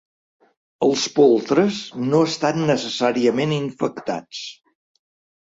Els poltres no estan necessàriament infectats.